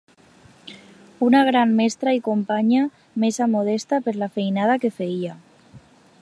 Una gran mestra i companya, massa modesta per la feinada que feia.